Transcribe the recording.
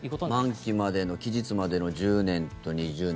満期までの、期日までの１０年と２０年。